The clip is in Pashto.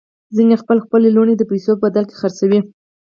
ځینې خلک خپلې لوڼې د پیسو په بدل کې خرڅوي.